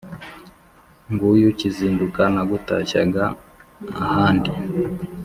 nguyu kizinduka nagutashyaga ahandi